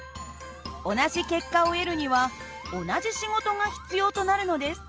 同じ結果を得るには同じ仕事が必要となるのです。